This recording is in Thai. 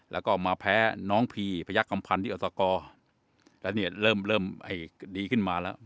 แล้วก็มาแพ้น้องพีพยักษัมพันธ์ที่อตกแล้วเนี่ยเริ่มเริ่มดีขึ้นมาแล้ว